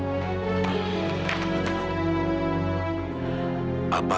jangan lupa untuk berikan kepadamu